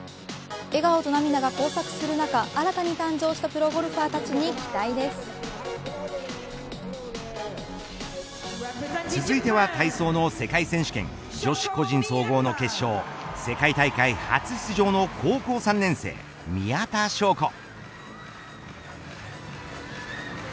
笑顔と涙が交錯する中、新たに誕生したプロゴルファーたちに続いては体操の世界選手権女子個人総合の決勝世界大会初出場の高校３年生宮田笙子。